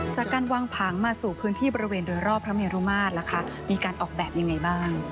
จากการวางผังมาสู่พื้นที่บริเวณโดยรอบพระเมรุมาตรล่ะคะมีการออกแบบยังไงบ้าง